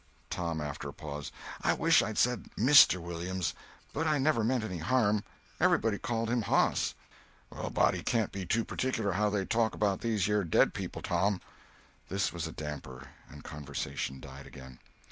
Tom, after a pause: "I wish I'd said Mister Williams. But I never meant any harm. Everybody calls him Hoss." "A body can't be too partic'lar how they talk 'bout these yer dead people, Tom." This was a damper, and conversation died again.